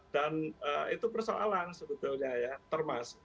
dan itu persoalan sebetulnya ya termas